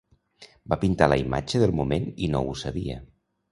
Va pintar la imatge del moment i no ho sabia.